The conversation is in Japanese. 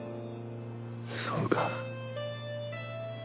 そうか。